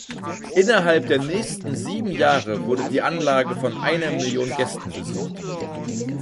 Innerhalb der nächsten sieben Jahre wurde die Anlage von einer Million Gästen besucht.